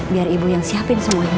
biar ibu yang siapin semuanya